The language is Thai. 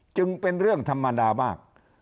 จึงเป็นเรื่องธรรมดามาก